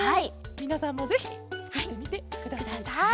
みなさんもぜひつくってみてくださいケロ。